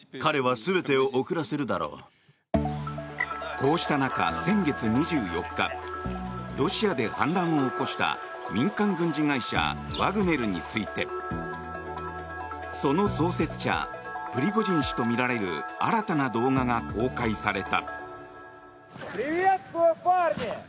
こうした中、先月２４日ロシアで反乱を起こした民間軍事会社ワグネルについてその創設者プリゴジン氏とみられる新たな動画が公開された。